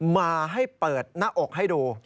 มาให้เปิดหน้าอกให้ดู